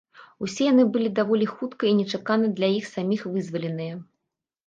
Усе яны былі даволі хутка і нечакана для іх саміх вызваленыя.